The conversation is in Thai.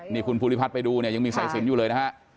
นี่คุณภูริพัฒน์ไปดูเนี่ยยังมีสายสินอยู่เลยนะฮะ